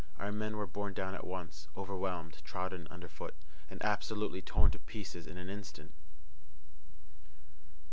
Our men were borne down at once, overwhelmed, trodden under foot, and absolutely torn to pieces in an instant.